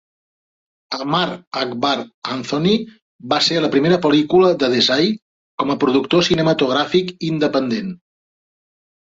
"Amar Akbar Anthony" va ser la primera pel·lícula de Desai com a productor cinematogràfic independent.